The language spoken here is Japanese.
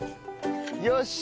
よし！